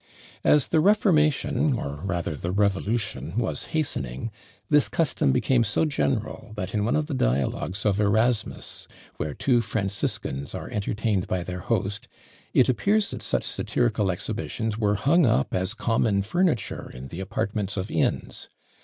As the Reformation, or rather the Revolution, was hastening, this custom became so general, that in one of the dialogues of Erasmus, where two Franciscans are entertained by their host, it appears that such satirical exhibitions were hung up as common furniture in the apartments of inns.